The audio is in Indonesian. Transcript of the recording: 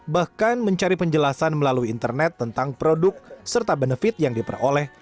bahkan mencari penjelasan melalui internet tentang produk serta benefit yang diperoleh